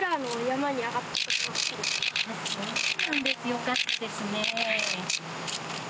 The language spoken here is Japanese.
よかったですね。